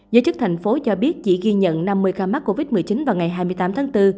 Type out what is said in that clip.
giới chức thành phố cho biết chỉ ghi nhận năm mươi ca mắc covid một mươi chín vào ngày hai mươi tám tháng bốn